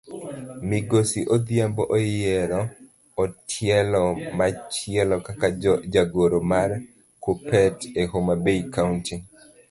Migosi odhiambo oyier etielo machielo kaka jagoro mar kuppet e homabay county.